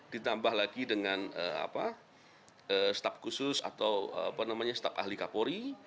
ditambah lagi dengan staf khusus atau staf ahli kapolri